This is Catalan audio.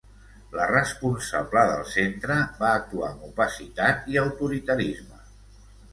La responsable del centre va actuar amb opacitat i autoritarisme.